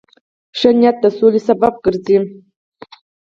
ښه نیت د سولې سبب ګرځي.